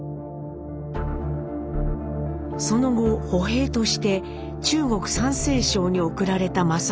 その後歩兵として中国・山西省に送られた正治。